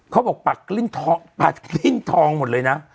เขาบอกปัดกลิ้นทองหมดเลยนะ